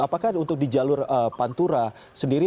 apakah untuk di jalur pantura sendiri